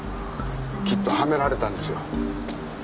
きっとはめられたんですよ。